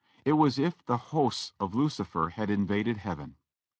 It was as if the hosts of Lucifer had invaded heaven.